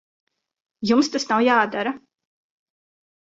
Jums tas nav jādara.